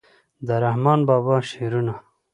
د رحمان بابا شعرونه